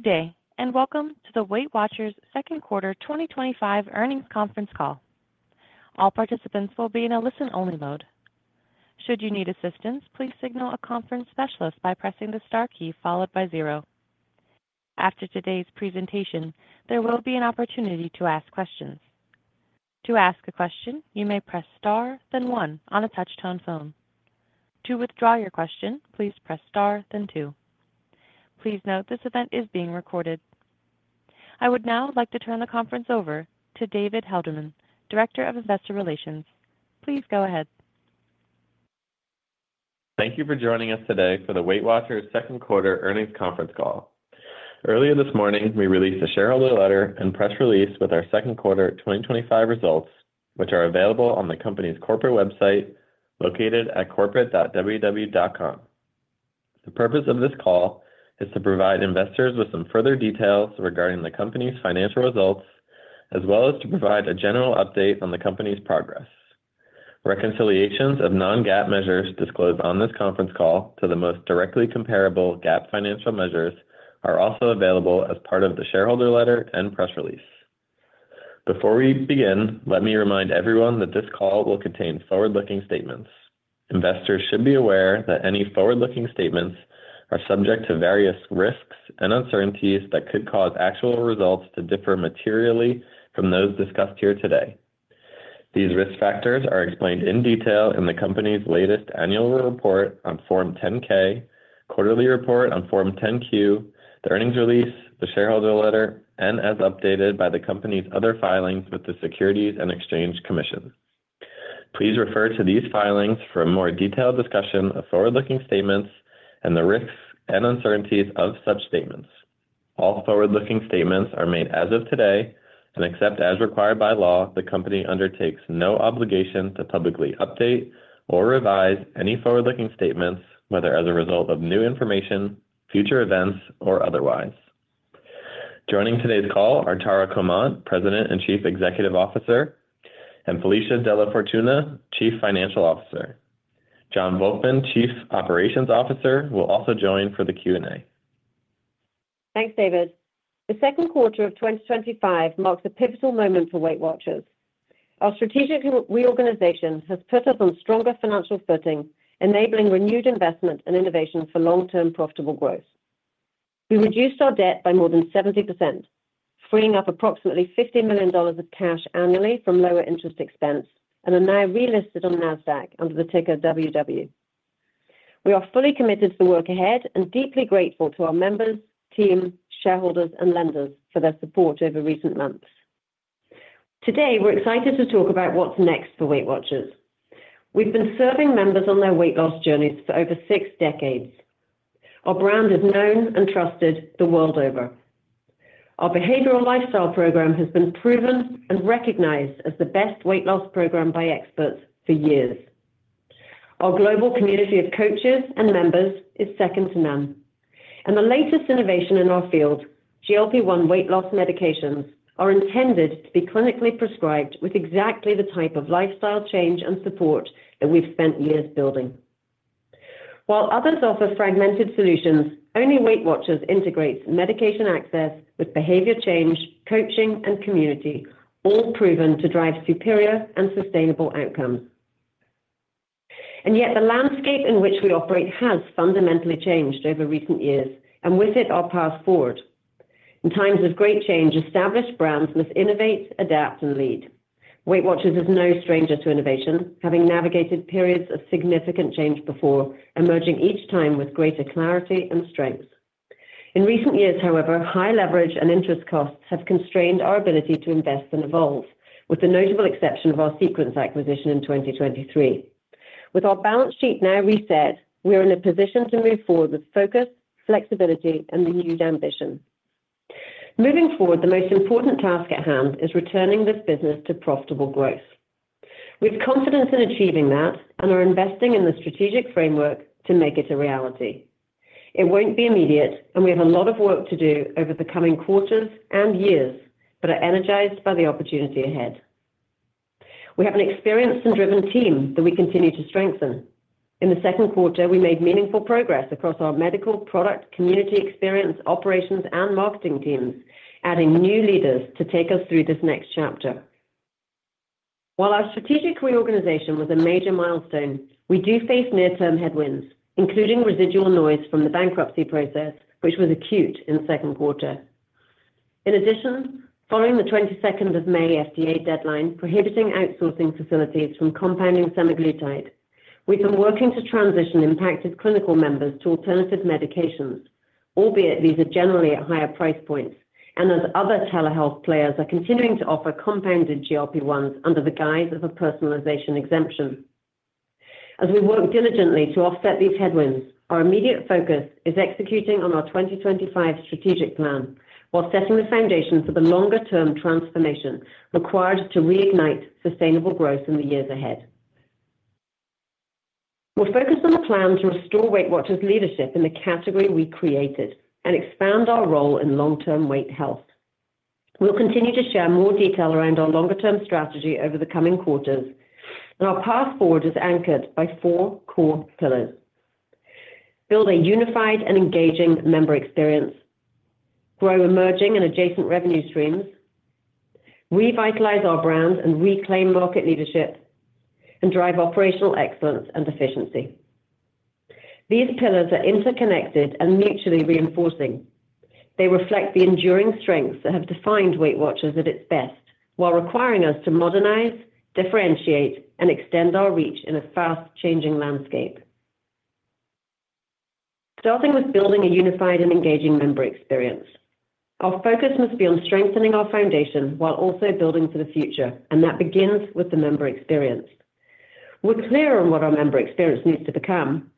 Okay, and welcome to the WeightWatchers Second Quarter 2025 Earnings Conference Call. All participants will be in a listen-only mode. Should you need assistance, please signal a conference specialist by pressing the star key followed by zero. After today's presentation, there will be an opportunity to ask questions. To ask a question, you may press star, then one on a touch-tone phone. To withdraw your question, please press star, then two. Please note this event is being recorded. I would now like to turn the conference over to David Helderman, Director of Investor Relations. Please go ahead. Thank you for joining us today for the WW International second quarter earnings conference call. Earlier this morning, we released a shareholder letter and press release with our second quarter 2025 results, which are available on the company's corporate website, located at corporate.ww.com. The purpose of this call is to provide investors with some further details regarding the company's financial results, as well as to provide a general update on the company's progress. Reconciliations of non-GAAP measures disclosed on this conference call to the most directly comparable GAAP financial measures are also available as part of the shareholder letter and press release. Before we begin, let me remind everyone that this call will contain forward-looking statements. Investors should be aware that any forward-looking statements are subject to various risks and uncertainties that could cause actual results to differ materially from those discussed here today. These risk factors are explained in detail in the company's latest annual report on Form 10-K, quarterly report on Form 10-Q, the earnings release, the shareholder letter, and as updated by the company's other filings with the Securities and Exchange Commission. Please refer to these filings for a more detailed discussion of forward-looking statements and the risks and uncertainties of such statements. All forward-looking statements are made as of today, and except as required by law, the company undertakes no obligation to publicly update or revise any forward-looking statements, whether as a result of new information, future events, or otherwise. Joining today's call are Tara Comonte, President and Chief Executive Officer, and Felicia DellaFortuna, Chief Financial Officer. Jon Volkmann, Chief Operating Officer, will also join for the Q&A. Thanks, David. The second quarter of 2025 marked a pivotal moment for WeightWatchers. Our strategic reorganization has put us on stronger financial footing, enabling renewed investment and innovation for long-term profitable growth. We reduced our debt by more than 70%, freeing up approximately $15 million of cash annually from lower interest expense, and are now re-listed on NASDAQ under the ticker WW. We are fully committed to the work ahead and deeply grateful to our members, team, shareholders, and lenders for their support over recent months. Today, we're excited to talk about what's next for WeightWatchers. We've been serving members on their weight loss journeys for over six decades. Our brand is known and trusted the world over. Our Behavioral Lifestyle Program has been proven and recognized as the best weight loss program by experts for years. Our global community of coaches and members is second to none. The latest innovation in our field, GLP-1 weight loss medications, are intended to be clinically prescribed with exactly the type of lifestyle change and support that we've spent years building. While others offer fragmented solutions, only WW International integrates medication access with behavior change, coaching, and community, all proven to drive superior and sustainable outcomes. Yet, the landscape in which we operate has fundamentally changed over recent years, and with it, our path forward. In times of great change, established brands must innovate, adapt, and lead. WW International is no stranger to innovation, having navigated periods of significant change before, emerging each time with greater clarity and strength. In recent years, however, high leverage and interest costs have constrained our ability to invest and evolve, with the notable exception of our Sequence acquisition in 2023. With our balance sheet now reset, we are in a position to move forward with focus, flexibility, and renewed ambition. Moving forward, the most important task at hand is returning this business to profitable growth. We have confidence in achieving that and are investing in the strategic framework to make it a reality. It won't be immediate, and we have a lot of work to do over the coming quarters and years, but are energized by the opportunity ahead. We have an experienced and driven team that we continue to strengthen. In the second quarter, we made meaningful progress across our medical product, community experience, operations, and marketing teams, adding new leaders to take us through this next chapter. While our strategic reorganization was a major milestone, we do face near-term headwinds, including residual noise from the bankruptcy process, which was acute in the second quarter. In addition, following the May 22 FDA deadline prohibiting outsourcing facilities from compounding semaglutide, we've been working to transition impacted clinical members to alternative medications, albeit these are generally at higher price points, and as other telehealth players are continuing to offer compounded GLP-1s under the guise of a personalization exemption. As we work diligently to offset these headwinds, our immediate focus is executing on our 2025 strategic plan while setting the foundation for the longer-term transformation required to reignite sustainable growth in the years ahead. We're focused on a plan to restore WW International's leadership in the category we created and expand our role in long-term weight health. We'll continue to share more detail around our longer-term strategy over the coming quarters, and our path forward is anchored by four core pillars: build a unified and engaging member experience, grow emerging and adjacent revenue streams, revitalize our brand and reclaim market leadership, and drive operational excellence and efficiency. These pillars are interconnected and mutually reinforcing. They reflect the enduring strengths that have defined WeightWatchers at its best, while requiring us to modernize, differentiate, and extend our reach in a fast-changing landscape. Starting with building a unified and engaging member experience, our focus must be on strengthening our foundation while also building for the future, and that begins with the member experience. We're clear on what our member experience needs to become: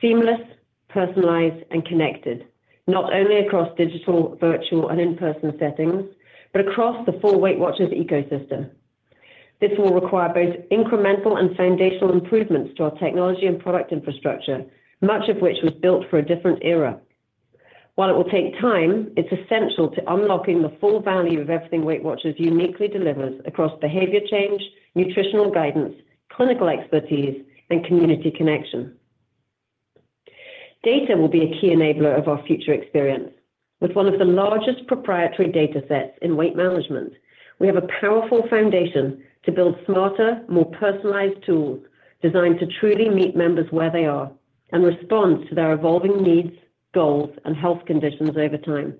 seamless, personalized, and connected, not only across digital, virtual, and in-person settings, but across the full WeightWatchers ecosystem. This will require both incremental and foundational improvements to our technology and product infrastructure, much of which was built for a different era. While it will take time, it's essential to unlocking the full value of everything WeightWatchers uniquely delivers across behavior change, nutritional guidance, clinical expertise, and community connection. Data will be a key enabler of our future experience. With one of the largest proprietary datasets in weight management, we have a powerful foundation to build smarter, more personalized tools designed to truly meet members where they are and respond to their evolving needs, goals, and health conditions over time.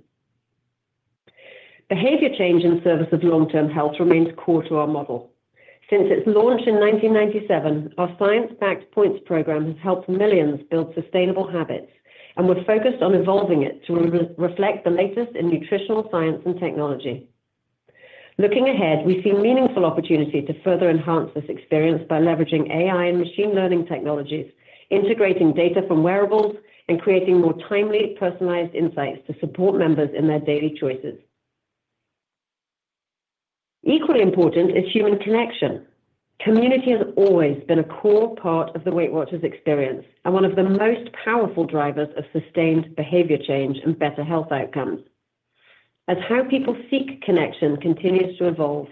Behavior change in service of long-term health remains core to our model. Since its launch in 1997, our science-backed points program has helped millions build sustainable habits, and we're focused on evolving it to reflect the latest in nutritional science and technology. Looking ahead, we see a meaningful opportunity to further enhance this experience by leveraging AI and machine learning technologies, integrating data from wearables, and creating more timely, personalized insights to support members in their daily choices. Equally important is human connection. Community has always been a core part of the Weight Watchers experience and one of the most powerful drivers of sustained behavior change and better health outcomes. As how people seek connection continues to evolve,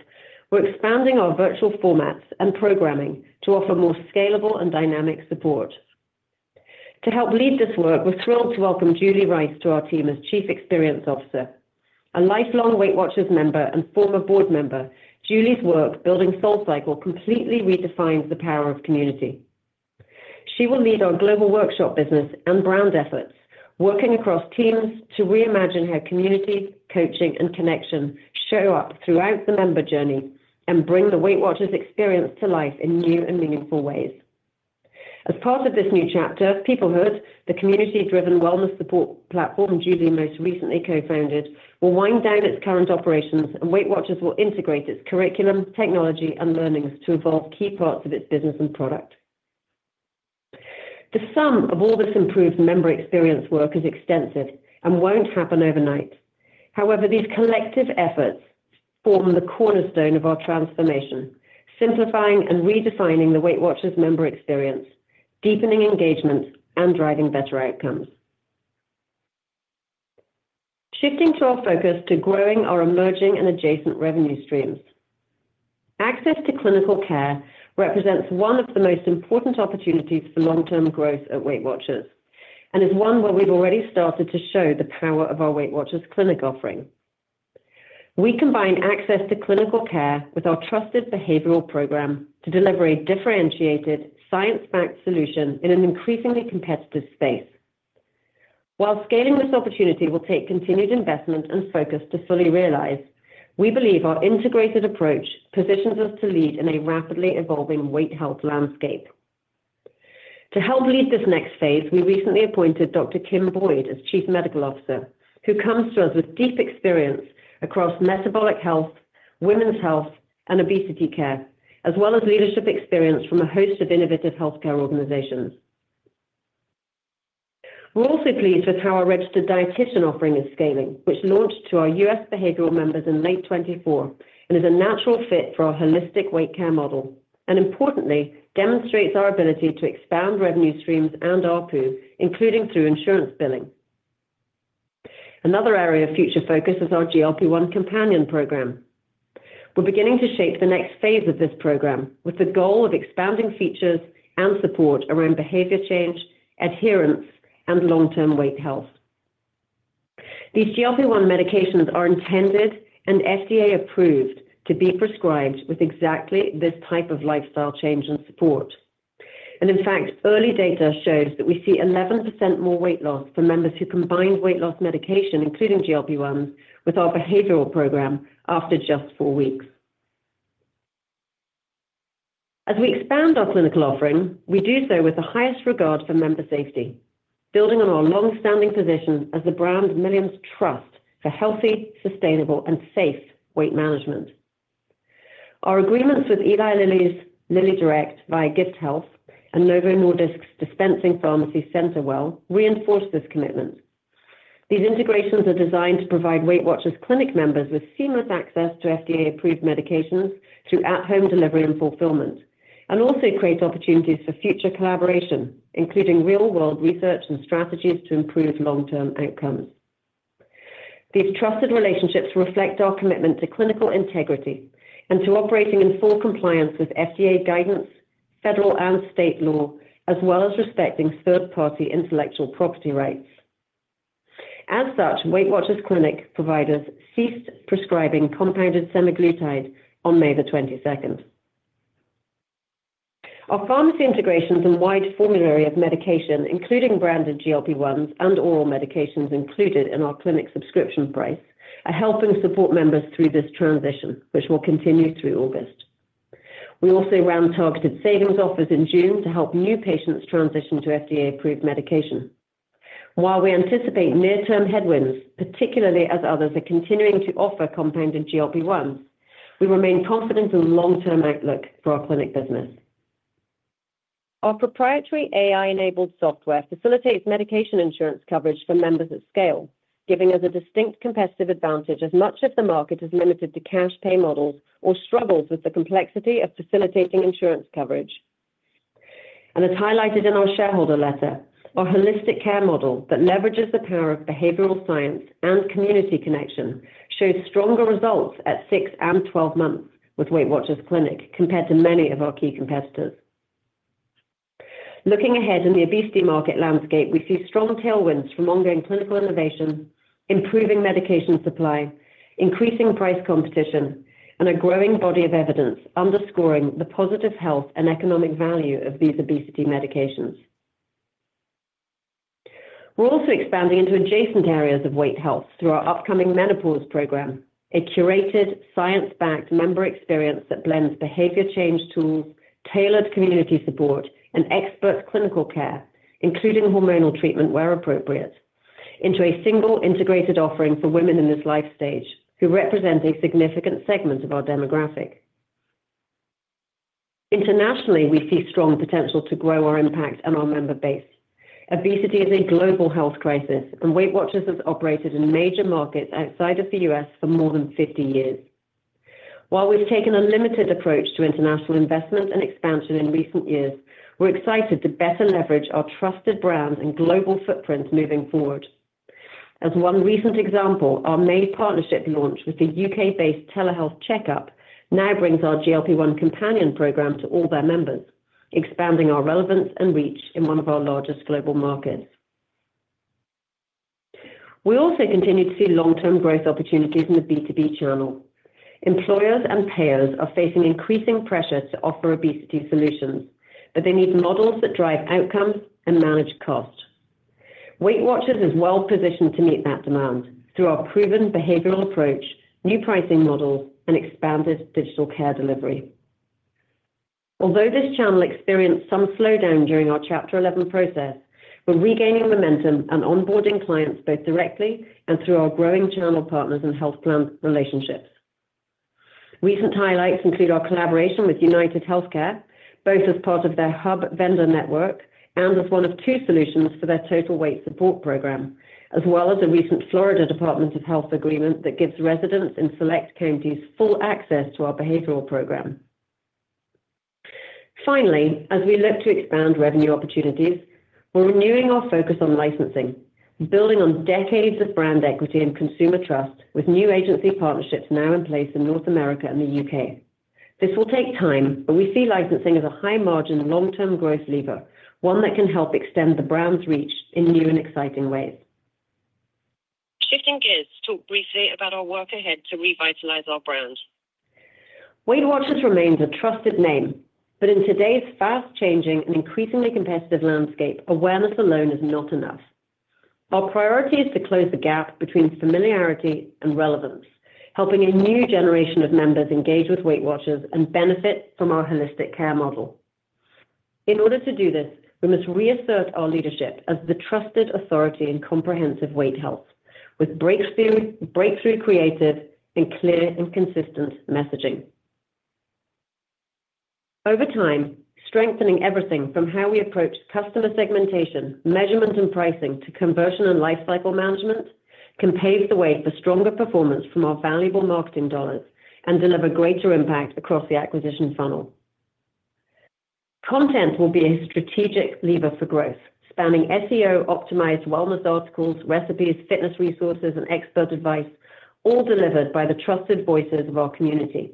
we're expanding our virtual formats and programming to offer more scalable and dynamic support. To help lead this work, we're thrilled to welcome Julie Rice to our team as Chief Experience Officer. A lifelong Weight Watchers member and former board member, Julie's work building SoulCycle completely redefined the power of community. She will lead our global workshop business and brand efforts, working across teams to reimagine how community, coaching, and connection show up throughout the member journey and bring the Weight Watchers experience to life in new and meaningful ways. As part of this new chapter, Peoplehood, the community-driven wellness support platform Julie most recently co-founded, will wind down its current operations, and Weight Watchers will integrate its curriculum, technology, and learnings to evolve key parts of its business and product. The sum of all this improved member experience work is extensive and won't happen overnight. However, these collective efforts form the cornerstone of our transformation, simplifying and redefining the Weight Watchers member experience, deepening engagement, and driving better outcomes. Shifting our focus to growing our emerging and adjacent revenue streams, access to clinical care represents one of the most important opportunities for long-term growth at WeightWatchers and is one where we've already started to show the power of our WeightWatchers clinic offering. We combine access to clinical care with our trusted behavioral program to deliver a differentiated, science-backed solution in an increasingly competitive space. While scaling this opportunity will take continued investment and focus to fully realize, we believe our integrated approach positions us to lead in a rapidly evolving weight health landscape. To help lead this next phase, we recently appointed Dr. Kim Boyd as Chief Medical Officer, who comes to us with deep experience across metabolic health, women's health, and obesity care, as well as leadership experience from a host of innovative healthcare organizations. We're also pleased with how our registered dietitian offering is scaling, which launched to our U.S. behavioral members in late 2024 and is a natural fit for our holistic weight care model, and importantly, demonstrates our ability to expand revenue streams and ARPU, including through insurance billing. Another area of future focus is our GLP-1 companion program. We're beginning to shape the next phase of this program with the goal of expanding features and support around behavior change, adherence, and long-term weight health. These GLP-1 medications are intended and FDA-approved to be prescribed with exactly this type of lifestyle change and support. In fact, early data shows that we see 11% more weight loss for members who combined weight loss medication, including GLP-1s, with our behavioral program after just four weeks. As we expand our clinical offering, we do so with the highest regard for member safety, building on our long-standing position as the brand millions trust for healthy, sustainable, and safe weight management. Our agreements with Eli Lilly's Lilly Direct via Gift Health and Novo Nordisk's dispensing pharmacy CenterWell reinforce this commitment. These integrations are designed to provide WW International clinic members with seamless access to FDA-approved medications through at-home delivery and fulfillment, and also create opportunities for future collaboration, including real-world research and strategies to improve long-term outcomes. These trusted relationships reflect our commitment to clinical integrity and to operating in full compliance with FDA guidance, federal and state law, as well as respecting third-party intellectual property rights. As such, WeightWatchers clinic providers ceased prescribing compounded semaglutide on May 22. Our pharmacy integrations and wide formulary of medication, including branded GLP-1s and oral medications included in our clinic subscription price, are helping support members through this transition, which will continue through August. We also ran targeted savings offers in June to help new patients transition to FDA-approved medications. While we anticipate near-term headwinds, particularly as others are continuing to offer compounded GLP-1, we remain confident in the long-term outlook for our clinic business. Our proprietary AI-enabled software facilitates medication insurance coverage for members at scale, giving us a distinct competitive advantage as much as the market is limited to cash pay models or struggles with the complexity of facilitating insurance coverage. As highlighted in our shareholder letter, our holistic care model that leverages the power of behavioral science and community connection shows stronger results at six and twelve months with WeightWatchers clinic compared to many of our key competitors. Looking ahead in the obesity market landscape, we see strong tailwinds from ongoing clinical innovation, improving medication supply, increasing price competition, and a growing body of evidence underscoring the positive health and economic value of these obesity medications. We're also expanding into adjacent areas of weight health through our upcoming menopause program, a curated, science-backed member experience that blends behavior change tools, tailored community support, and expert clinical care, including hormonal treatment where appropriate, into a single integrated offering for women in this life stage, who represent a significant segment of our demographic. Internationally, we see strong potential to grow our impact and our member base. Obesity is a global health crisis, and WeightWatchers has operated in major markets outside of the U.S. for more than 50 years. While we've taken a limited approach to international investment and expansion in recent years, we're excited to better leverage our trusted brand and global footprint moving forward. As one recent example, our May partnership launch with the UK-based Telehealth Checkup now brings our GLP-1 companion program to all their members, expanding our relevance and reach in one of our largest global markets. We also continue to see long-term growth opportunities in the B2B channel. Employers and payers are facing increasing pressure to offer obesity solutions, but they need models that drive outcomes and manage cost. WW International is well-positioned to meet that demand through our proven behavioral approach, new pricing model, and expanded digital care delivery. Although this channel experienced some slowdown during our Chapter 11 reorganization process, we're regaining momentum and onboarding clients both directly and through our growing channel partners and health plan relationships. Recent highlights include our collaboration with UnitedHealthcare, both as part of their hub vendor network and as one of two solutions for their total weight support program, as well as a recent Florida Department of Health agreement that gives residents in select counties full access to our behavioral program. Finally, as we look to expand revenue opportunities, we're renewing our focus on licensing, building on decades of brand equity and consumer trust with new agency partnerships now in place in North America and the UK. This will take time, but we see licensing as a high-margin, long-term growth lever, one that can help extend the brand's reach in new and exciting ways. Shifting gears, to talk briefly about our work ahead to revitalize our brand. WW International remains a trusted name, but in today's fast-changing and increasingly competitive landscape, awareness alone is not enough. Our priority is to close the gap between familiarity and relevance, helping a new generation of members engage with WeightWatchers and benefit from our holistic care model. In order to do this, we must reassert our leadership as the trusted authority in comprehensive weight health, with breakthrough creative, and clear and consistent messaging. Over time, strengthening everything from how we approach customer segmentation, measurement, and pricing to conversion and lifecycle management can pave the way for stronger performance from our valuable marketing dollars and deliver greater impact across the acquisition funnel. Content will be a strategic lever for growth, spanning SEO, optimized wellness articles, recipes, fitness resources, and expert advice, all delivered by the trusted voices of our community.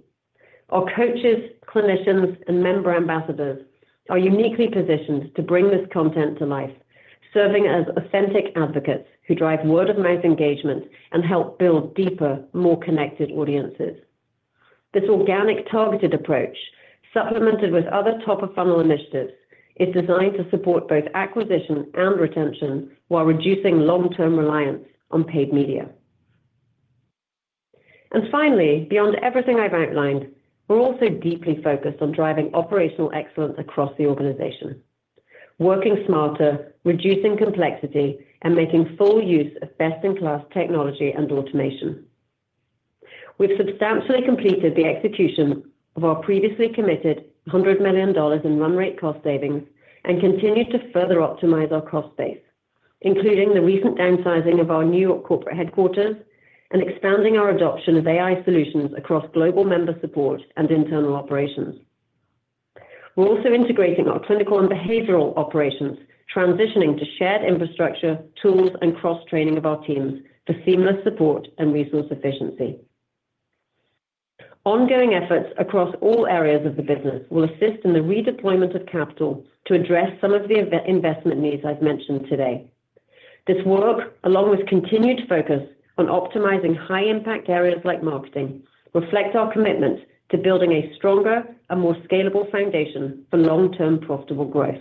Our coaches, clinicians, and member ambassadors are uniquely positioned to bring this content to life, serving as authentic advocates who drive word-of-mouth engagement and help build deeper, more connected audiences. This organic targeted approach, supplemented with other top-of-funnel initiatives, is designed to support both acquisition and retention while reducing long-term reliance on paid media. Finally, beyond everything I've outlined, we're also deeply focused on driving operational excellence across the organization, working smarter, reducing complexity, and making full use of best-in-class technology and automation. We've substantially completed the execution of our previously committed $100 million in run rate cost savings and continued to further optimize our cost base, including the recent downsizing of our New York corporate headquarters and expanding our adoption of AI solutions across global member support and internal operations. We're also integrating our clinical and behavioral operations, transitioning to shared infrastructure, tools, and cross-training of our teams for seamless support and resource efficiency. Ongoing efforts across all areas of the business will assist in the redeployment of capital to address some of the investment needs I've mentioned today. This work, along with continued focus on optimizing high-impact areas like marketing, reflects our commitments to building a stronger and more scalable foundation for long-term profitable growth.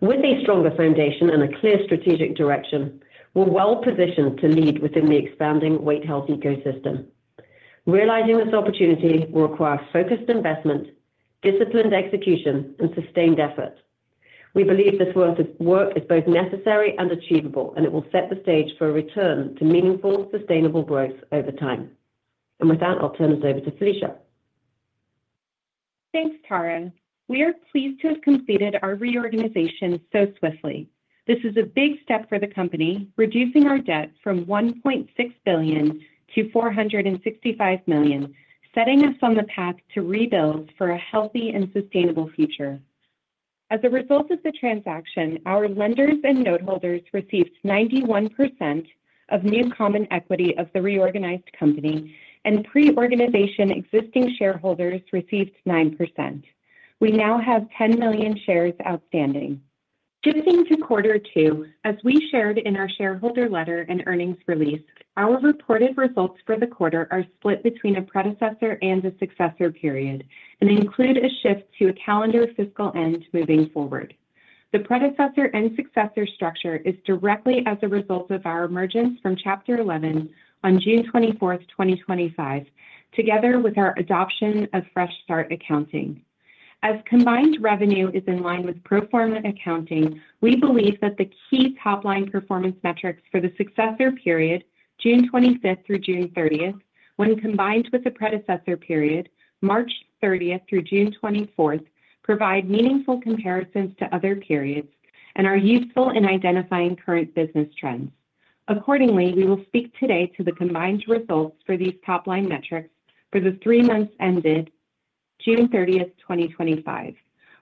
With a stronger foundation and a clear strategic direction, we're well-positioned to lead within the expanding weight health ecosystem. Realizing this opportunity will require focused investment, disciplined execution, and sustained effort. We believe this work is both necessary and achievable, and it will set the stage for a return to meaningful, sustainable growth over time. With that, I'll turn this over to Felicia. Thanks, Tara. We are pleased to have completed our reorganization so swiftly. This is a big step for the company, reducing our debt from $1.6 billion to $465 million, setting us on the path to rebuild for a healthy and sustainable future. As a result of the transaction, our lenders and noteholders received 91% of new common equity of the reorganized company, and pre-reorganization existing shareholders received 9%. We now have 10 million shares outstanding. Shifting to quarter two, as we shared in our shareholder letter and earnings release, our reported results for the quarter are split between a predecessor and a successor period and include a shift to a calendar fiscal end moving forward. The predecessor and successor structure is directly as a result of our emergence from Chapter 11 on June 24, 2025, together with our adoption of fresh start accounting. As combined revenue is in line with pro forma accounting, we believe that the key top-line performance metrics for the successor period, June 25 through June 30, when combined with the predecessor period, March 30 through June 24, provide meaningful comparisons to other periods and are useful in identifying current business trends. Accordingly, we will speak today to the combined results for these top-line metrics for the three months ended June 30, 2025.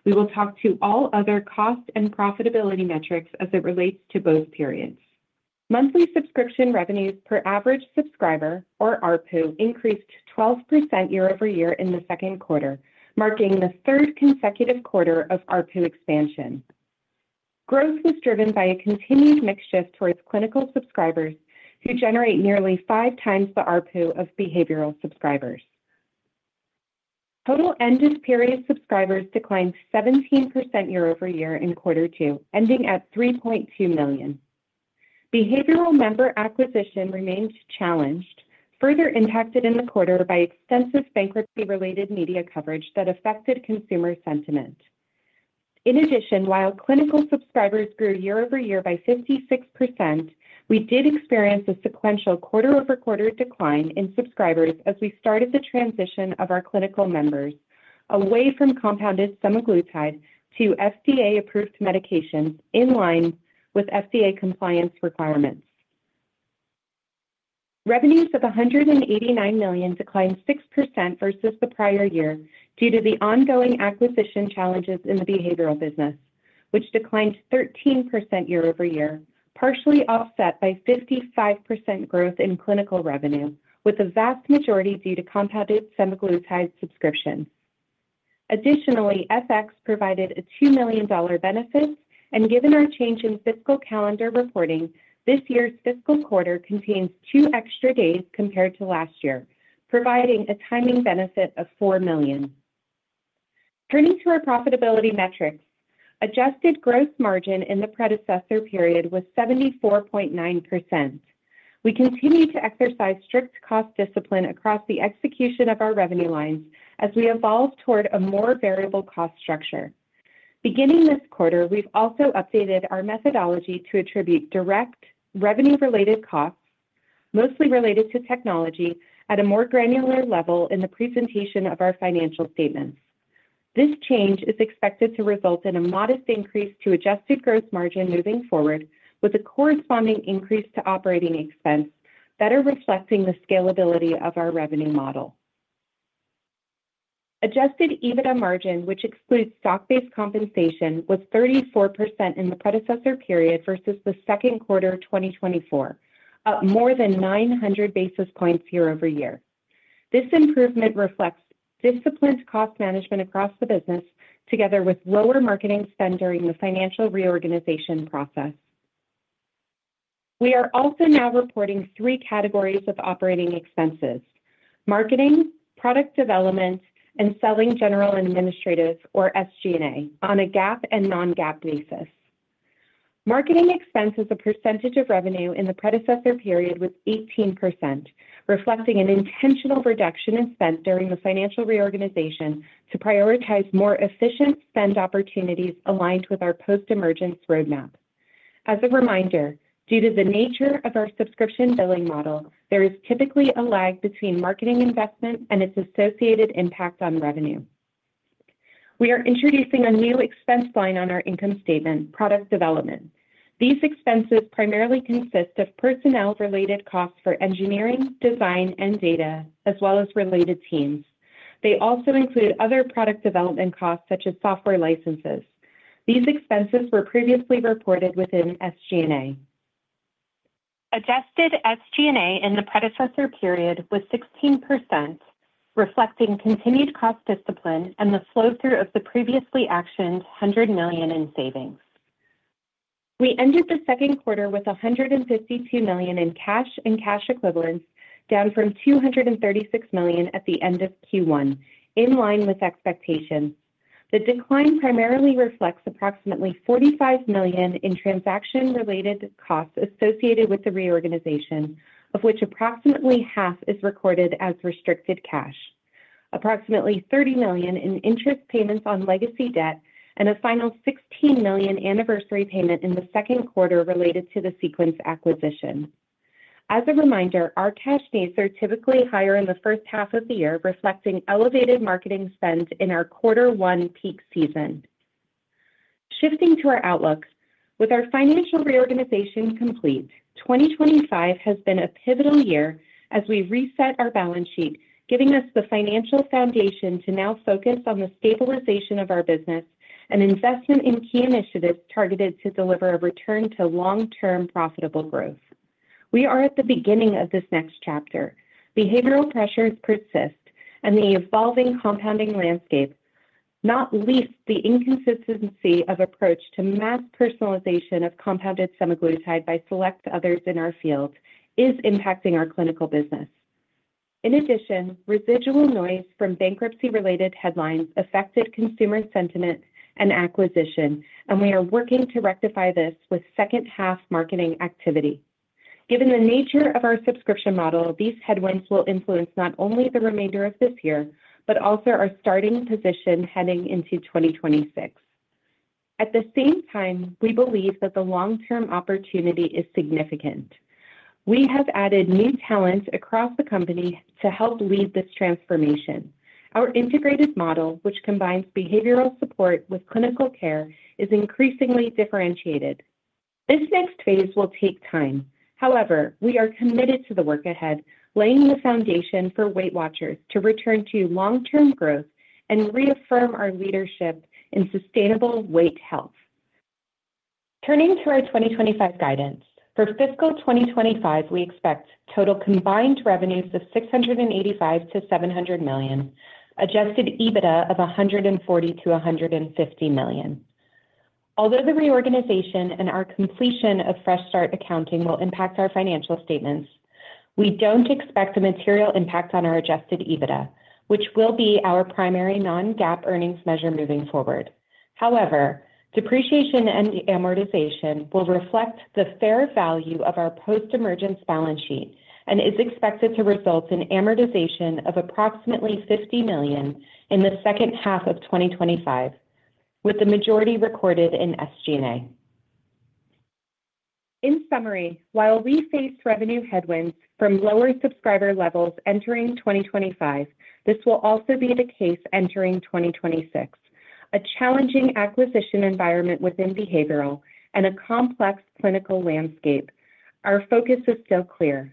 We will talk to all other cost and profitability metrics as it relates to both periods. Monthly subscription revenues per average subscriber, or ARPU, increased 12% year over year in the second quarter, marking the third consecutive quarter of ARPU expansion. Growth was driven by a continued mix shift towards clinical subscribers who generate nearly five times the ARPU of behavioral subscribers. Total end-of-period subscribers declined 17% year-over-year in quarter two, ending at 3.2 million. Behavioral member acquisition remains challenged, further impacted in the quarter by extensive bankruptcy-related media coverage that affected consumer sentiment. In addition, while clinical subscribers grew year over year by 56%, we did experience a sequential quarter-over-quarter decline in subscribers as we started the transition of our clinical members away from compounded semaglutide to FDA-approved medications in line with FDA compliance requirements. Revenues of $189 million declined 6% versus the prior year due to the ongoing acquisition challenges in the behavioral business, which declined 13% year-over-year, partially offset by 55% growth in clinical revenue, with the vast majority due to compounded semaglutide subscription. Additionally, FX provided a $2 million benefit, and given our change in fiscal calendar reporting, this year's fiscal quarter contains two extra days compared to last year, providing a timing benefit of $4 million. Turning to our profitability metrics, adjusted gross margin in the predecessor period was 74.9%. We continue to exercise strict cost discipline across the execution of our revenue lines as we evolve toward a more variable cost structure. Beginning this quarter, we've also updated our methodology to attribute direct revenue-related costs, mostly related to technology, at a more granular level in the presentation of our financial statements. This change is expected to result in a modest increase to adjusted gross margin moving forward, with a corresponding increase to operating expense, better reflecting the scalability of our revenue model. Adjusted EBITDA margin, which excludes stock-based compensation, was 34% in the predecessor period versus the second quarter of 2024, up more than 900 basis points year-over-year. This improvement reflects disciplined cost management across the business, together with lower marketing spend during the financial reorganization process. We are also now reporting three categories of operating expenses: marketing, product development, and selling, general and administrative, or SG&A, on a GAAP and non-GAAP basis. Marketing expense as a percentage of revenue in the predecessor period was 18%, reflecting an intentional reduction in spend during the financial reorganization to prioritize more efficient spend opportunities aligned with our post-emergence roadmap. As a reminder, due to the nature of our subscription billing model, there is typically a lag between marketing investment and its associated impact on revenue. We are introducing a new expense line on our income statement, product development. These expenses primarily consist of personnel-related costs for engineering, design, and data, as well as related teams. They also include other product development costs, such as software licenses. These expenses were previously reported within SG&A. Adjusted SG&A in the predecessor period was 16%, reflecting continued cost discipline and the flow-through of the previously actioned $100 million in savings. We ended the second quarter with $152 million in cash and cash equivalents, down from $236 million at the end of Q1, in line with expectations. The decline primarily reflects approximately $45 million in transaction-related costs associated with the reorganization, of which approximately half is recorded as restricted cash, approximately $30 million in interest payments on legacy debt, and a final $16 million anniversary payment in the second quarter related to the Sequence acquisition. As a reminder, our cash needs are typically higher in the first half of the year, reflecting elevated marketing spend in our quarter one peak season. Shifting to our outlook, with our financial reorganization complete, 2025 has been a pivotal year as we reset our balance sheet, giving us the financial foundation to now focus on the stabilization of our business and investment in key initiatives targeted to deliver a return to long-term profitable growth. We are at the beginning of this next chapter. Behavioral pressures persist and the evolving compounding landscape, not least the inconsistency of approach to mass personalization of compounded semaglutide by select others in our field, is impacting our clinical business. In addition, residual noise from bankruptcy-related headlines affected consumer sentiment and acquisition, and we are working to rectify this with second-half marketing activity. Given the nature of our subscription model, these headwinds will influence not only the remainder of this year, but also our starting position heading into 2026. At the same time, we believe that the long-term opportunity is significant. We have added new talent across the company to help lead this transformation. Our integrated model, which combines behavioral support with clinical care, is increasingly differentiated. This next phase will take time. However, we are committed to the work ahead, laying the foundation for WW International to return to long-term growth and reaffirm our leadership in sustainable weight health. Turning to our 2025 guidance, for fiscal 2025, we expect total combined revenues of $685 million-$700 million, adjusted EBITDA of $140 million -$150 million. Although the reorganization and our completion of fresh start accounting will impact our financial statements, we don't expect a material impact on our adjusted EBITDA, which will be our primary non-GAAP earnings measure moving forward. However, depreciation and amortization will reflect the fair value of our post-emergence balance sheet and is expected to result in amortization of approximately $50 million in the second half of 2025, with the majority recorded in SG&A. In summary, while we face revenue headwinds from lower subscriber levels entering 2025, this will also be the case entering 2026. A challenging acquisition environment within behavioral and a complex clinical landscape, our focus is still clear: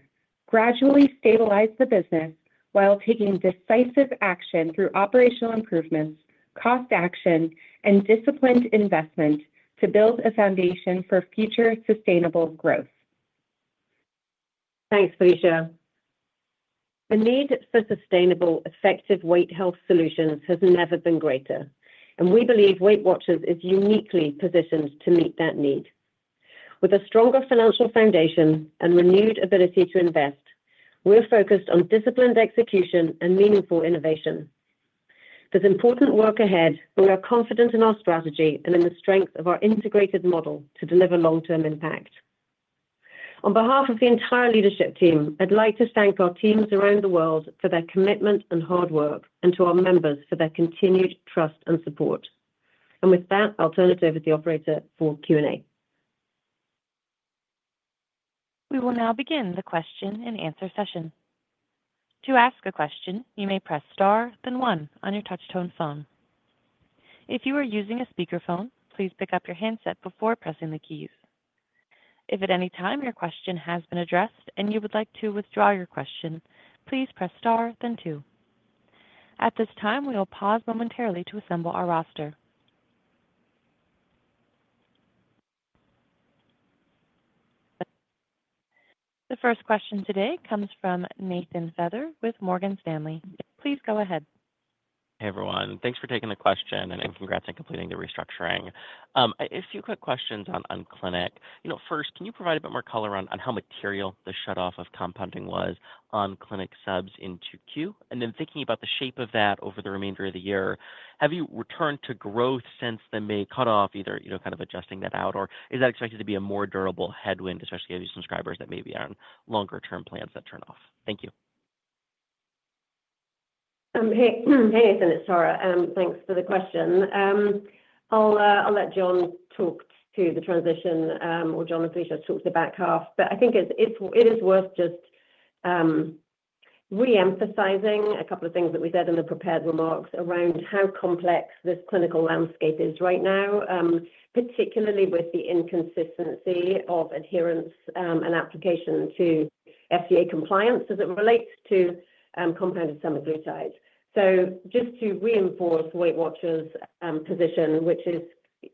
gradually stabilize the business while taking decisive action through operational improvements, cost action, and disciplined investment to build a foundation for future sustainable growth. Thanks, Felicia. The need for sustainable, effective weight health solutions has never been greater, and we believe WW International is uniquely positioned to meet that need. With a stronger financial foundation and renewed ability to invest, we're focused on disciplined execution and meaningful innovation. There is important work ahead, but we are confident in our strategy and in the strength of our integrated model to deliver long-term impact. On behalf of the entire leadership team, I'd like to thank our teams around the world for their commitment and hard work and to our members for their continued trust and support. With that, I'll turn it over to the operator for Q&A. We will now begin the question and answer session. To ask a question, you may press star, then one on your touch-tone phone. If you are using a speakerphone, please pick up your handset before pressing the keys. If at any time your question has been addressed and you would like to withdraw your question, please press star, then two. At this time, we will pause momentarily to assemble our roster. The first question today comes from Nathaniel Jay Feather with Morgan Stanley. Please go ahead. Hey, everyone. Thanks for taking the question and congrats on completing the restructuring. A few quick questions on clinic. First, can you provide a bit more color on how material the shut-off of compounding was on clinic subs in Q2? Thinking about the shape of that over the remainder of the year, have you returned to growth since the May cut-off, either kind of adjusting that out, or is that expected to be a more durable headwind, especially if you have subscribers that may be on longer-term plans that turn off? Thank you. Hey, Nathan. It's Tara. Thanks for the question. I'll let Jon talk to the transition, or Jon and Felicia talk to the back half. I think it is worth just reemphasizing a couple of things that we said in the prepared remarks around how complex this clinical landscape is right now, particularly with the inconsistency of adherence and application to FDA compliance as it relates to compounded semaglutide. Just to reinforce WW International's position, which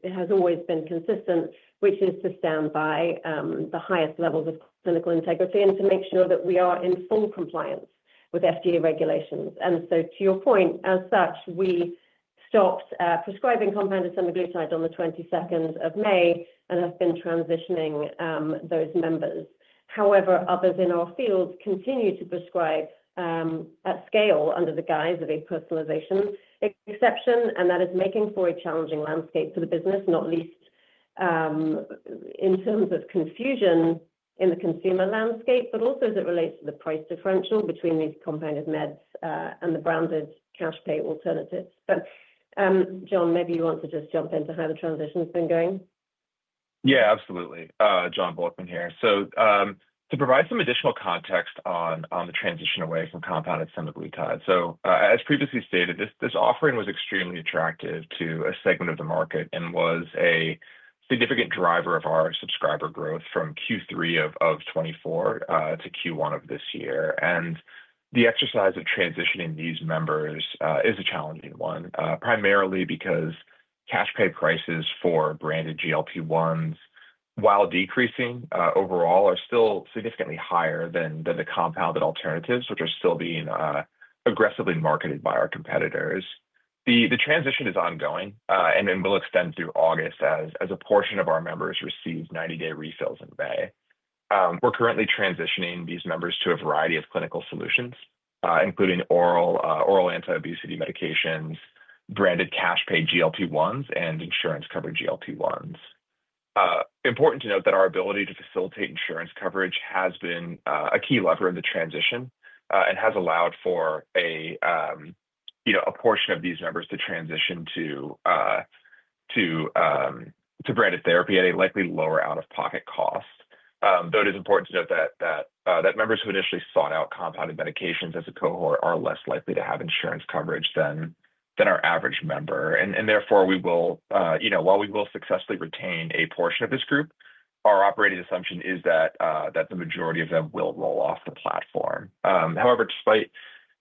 has always been consistent, which is to stand by the highest levels of clinical integrity and to make sure that we are in full compliance with FDA regulations. To your point, as such, we stopped prescribing compounded semaglutide on the 22nd of May and have been transitioning those members. However, others in our field continue to prescribe at scale under the guise of a personalization exception, and that is making for a challenging landscape for the business, not least in terms of confusion in the consumer landscape, but also as it relates to the price differential between these compounded meds and the branded cash pay alternatives. Jon, maybe you want to just jump in to how the transition's been going? Yeah, absolutely. Jon Volkmann here. To provide some additional context on the transition away from compounded semaglutide, as previously stated, this offering was extremely attractive to a segment of the market and was a significant driver of our subscriber growth from Q3 of 2024 to Q1 of this year. The exercise of transitioning these members is a challenging one, primarily because cash pay prices for branded GLP-1s, while decreasing overall, are still significantly higher than the compounded alternatives, which are still being aggressively marketed by our competitors. The transition is ongoing and will extend through August as a portion of our members receive 90-day refills in May. We're currently transitioning these members to a variety of clinical solutions, including oral anti-obesity medications, branded cash pay GLP-1s, and insurance covered GLP-1s. It is important to note that our ability to facilitate insurance coverage has been a key lever in the transition and has allowed for a portion of these members to transition to branded therapy at a likely lower out-of-pocket cost. Though it is important to note that members who initially sought out compounded medications as a cohort are less likely to have insurance coverage than our average member. Therefore, while we will successfully retain a portion of this group, our operating assumption is that the majority of them will roll off the platform. However, despite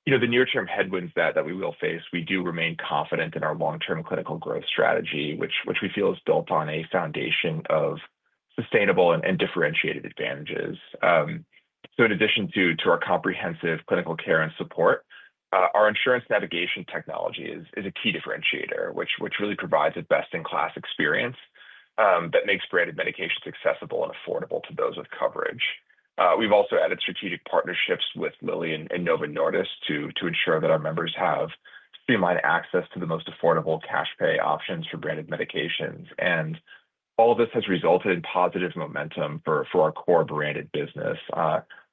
the near-term headwinds that we will face, we do remain confident in our long-term clinical growth strategy, which we feel is built on a foundation of sustainable and differentiated advantages. In addition to our comprehensive clinical care and support, our insurance navigation technology is a key differentiator, which really provides a best-in-class experience that makes branded medications accessible and affordable to those with coverage. We've also added strategic partnerships with Eli Lilly and Novo Nordisk to ensure that our members have streamlined access to the most affordable cash pay options for branded medications. All this has resulted in positive momentum for our core branded business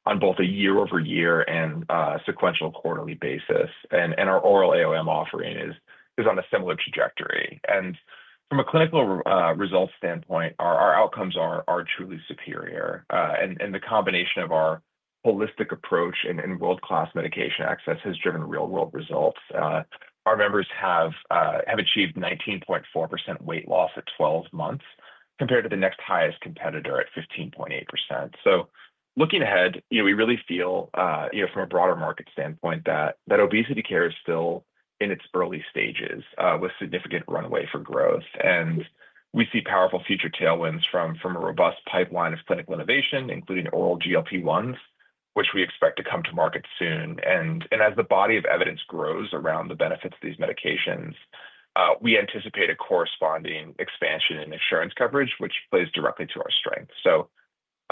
on both a year-over-year and sequential quarterly basis. Our oral AOM offering is on a similar trajectory. From a clinical results standpoint, our outcomes are truly superior. The combination of our holistic approach and world-class medication access has driven real-world results. Our members have achieved 19.4% weight loss at 12 months compared to the next highest competitor at 15.8%. Looking ahead, we really feel, from a broader market standpoint, that obesity care is still in its early stages with significant runway for growth. We see powerful future tailwinds from a robust pipeline of clinical innovation, including oral GLP-1s, which we expect to come to market soon. As the body of evidence grows around the benefits of these medications, we anticipate a corresponding expansion in insurance coverage, which plays directly to our strength.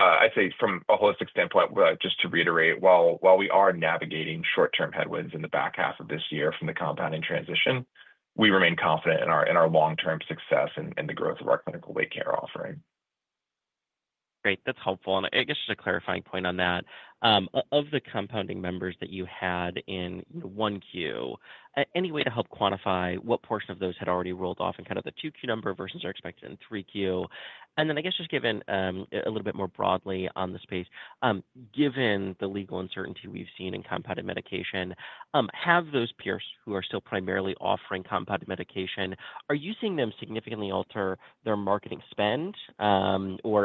I'd say from a holistic standpoint, just to reiterate, while we are navigating short-term headwinds in the back half of this year from the compounding transition, we remain confident in our long-term success and the growth of our clinical weight care offering. Great, that's helpful. I guess just a clarifying point on that. Of the compounding members that you had in Q1, any way to help quantify what portion of those had already rolled off in the Q2 number versus are expected in Q3? I guess just a little bit more broadly on the space, given the legal uncertainty we've seen in compounded medication, have those peers who are still primarily offering compounded medication, are you seeing them significantly alter their marketing spend?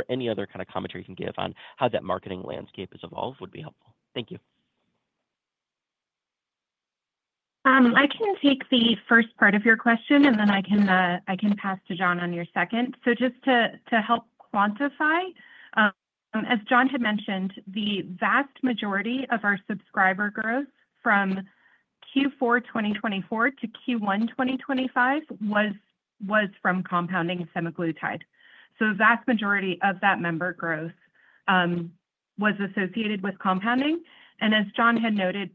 Any other kind of commentary you can give on how that marketing landscape has evolved would be helpful. Thank you. I can take the first part of your question, and then I can pass to Jon on your second. Just to help quantify, as Jon had mentioned, the vast majority of our subscriber growth from Q4 2024 to Q1 2025 was from compounded semaglutide. The vast majority of that member growth was associated with compounding. As Jon had noted,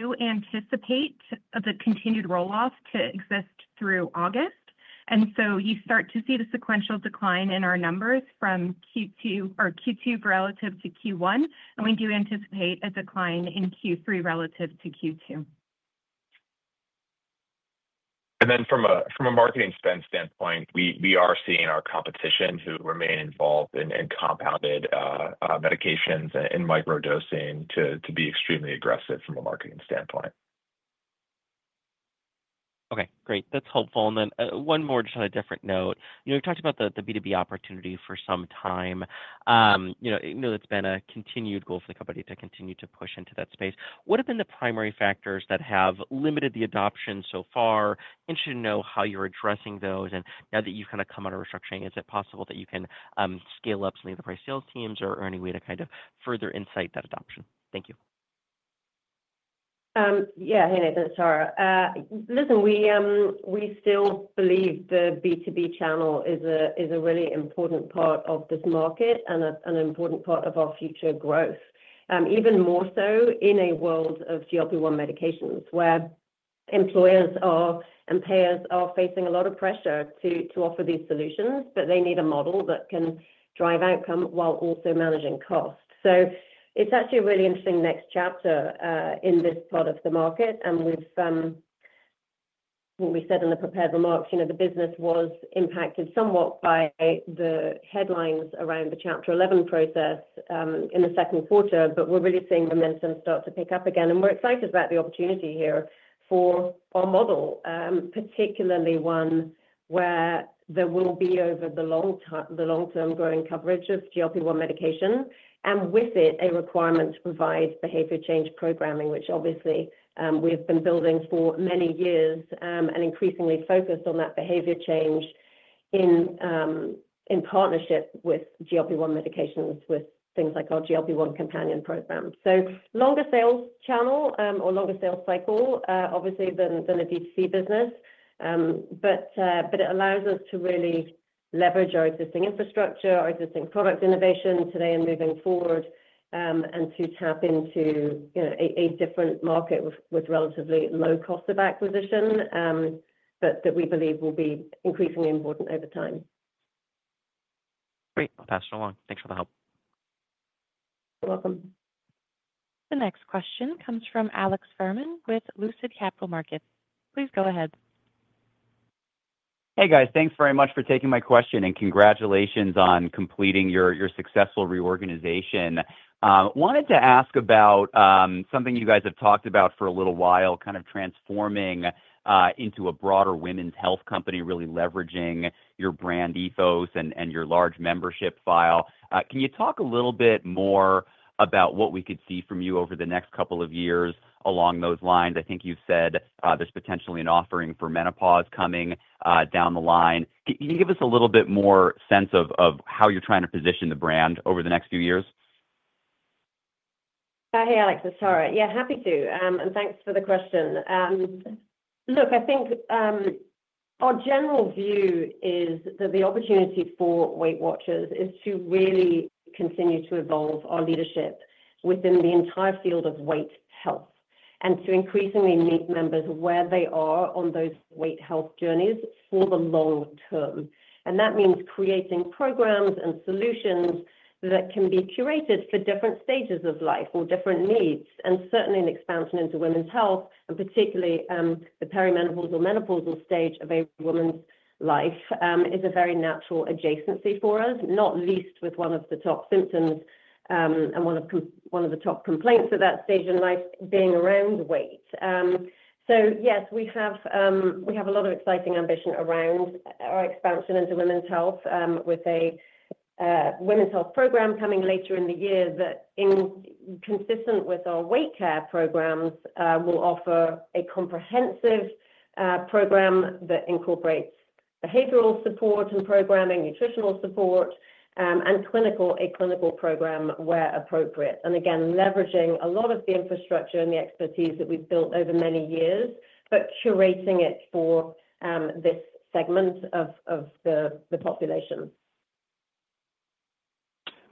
we do anticipate the continued rolloff to exist through August. You start to see the sequential decline in our numbers from Q2 relative to Q1. We do anticipate a decline in Q3 relative to Q2. From a marketing spend standpoint, we are seeing our competition who remain involved in compounded medications and microdosing to be extremely aggressive from a marketing standpoint. That's helpful. One more just on a different note. You know, we've talked about the B2B opportunity for some time. It's been a continued goal for the company to continue to push into that space. What have been the primary factors that have limited the adoption so far? Interested to know how you're addressing those. Now that you've kind of come out of restructuring, is it possible that you can scale up some of the price sales teams or any way to kind of further incite that adoption? Thank you. Yeah, hey, Nathan. It's Tara. Listen, we still believe the B2B channel is a really important part of this market and an important part of our future growth. Even more so in a world of GLP-1 medications where employers and payers are facing a lot of pressure to offer these solutions, but they need a model that can drive outcome while also managing cost. It is actually a really interesting next chapter in this part of the market. As we said in the prepared remarks, the business was impacted somewhat by the headlines around the Chapter 11 process in the second quarter, but we're really seeing momentum start to pick up again. We're excited about the opportunity here for our model, particularly one where there will be, over the long-term, growing coverage of GLP-1 medication and with it a requirement to provide behavior change programming, which obviously we've been building for many years and increasingly focused on that behavior change in partnership with GLP-1 medications, with things like our GLP-1 companion program. It is a longer sales channel or longer sales cycle, obviously, than the DTC business. It allows us to really leverage our existing infrastructure, our existing product innovation today and moving forward, and to tap into a different market with relatively low cost of acquisition, but that we believe will be increasingly important over time. Great. I'll pass it along. Thanks for the help. You're welcome. The next question comes from Alex Fuhrman with Lucid Capital Markets. Please go ahead. Hey, guys. Thanks very much for taking my question and congratulations on completing your successful reorganization. I wanted to ask about something you guys have talked about for a little while, kind of transforming into a broader women's health company, really leveraging your brand ethos and your large membership file. Can you talk a little bit more about what we could see from you over the next couple of years along those lines? I think you've said there's potentially an offering for menopause coming down the line. Can you give us a little bit more sense of how you're trying to position the brand over the next few years? Hey, Alex. It's Tara. Happy to. Thanks for the question. I think our general view is that the opportunity for WeightWatchers is to really continue to evolve our leadership within the entire field of weight health and to increasingly meet members where they are on those weight health journeys for the long term. That means creating programs and solutions that can be curated for different stages of life or different needs. Certainly, an expansion into women's health, and particularly the perimenopausal and menopausal stage of a woman's life, is a very natural adjacency for us, not least with one of the top symptoms and one of the top complaints at that stage in life being around weight. Yes, we have a lot of exciting ambition around our expansion into women's health with a women's health program coming later in the year that, consistent with our weight care programs, will offer a comprehensive program that incorporates behavioral support and programming, nutritional support, and a clinical program where appropriate. Again, leveraging a lot of the infrastructure and the expertise that we've built over many years, but curating it for this segment of the population.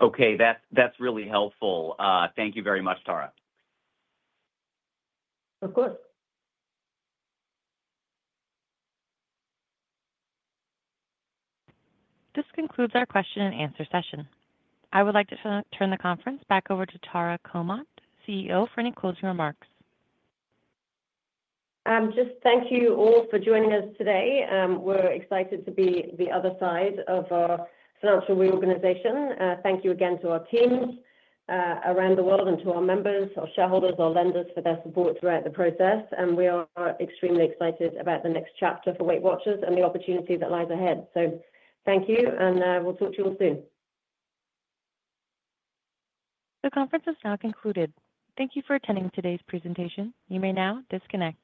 Okay, that's really helpful. Thank you very much, Tara. Of course. This concludes our question-and-answer session. I would like to turn the conference back over to Tara Comonte, CEO, for any closing remarks. Thank you all for joining us today. We're excited to be on the other side of our financial reorganization. Thank you again to our teams around the world and to our members, our shareholders, our lenders for their support throughout the process. We are extremely excited about the next chapter for WW International and the opportunity that lies ahead. Thank you, and we'll talk to you all soon. The conference is now concluded. Thank you for attending today's presentation. You may now disconnect.